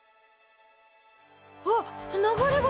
あっ流れ星！